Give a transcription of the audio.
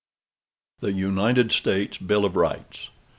The United States Bill of Rights.